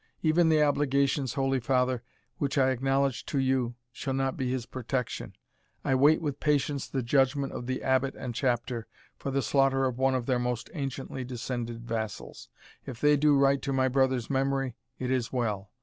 Even the obligations, holy father, which I acknowledge to you, shall not be his protection. I wait with patience the judgment of the Abbot and Chapter, for the slaughter of one of their most anciently descended vassals. If they do right to my brother's memory, it is well.